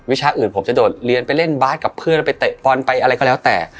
ชาติอื่นผมจะโดดเรียนไปเล่นบาสกับเพื่อนแล้วไปเตะบอลไปอะไรก็แล้วแต่